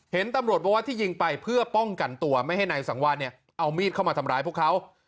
เห็นตำรวจบอกว่าที่ยิงไปเพื่อป้องกันตัวไม่ให้นายสังวานเนี่ยเอามีดเข้ามาทำร้ายพวกเขา